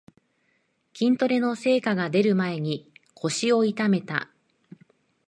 筋トレの成果がでる前に腰を痛めた